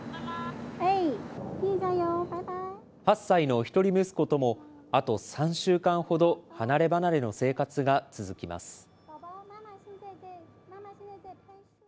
８歳の一人息子ともあと３週間ほど、離れ離れの生活が続きます。